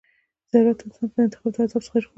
ضرورت انسان د انتخاب د عذاب څخه ژغوري.